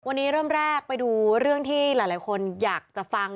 วันนี้เริ่มแรกไปดูเรื่องที่หลายคนอยากจะฟัง